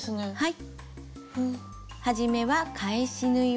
はい。